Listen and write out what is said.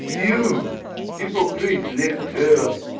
"You! hypocrite lecteur!